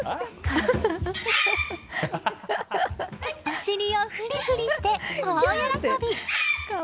お尻をふりふりして大喜び。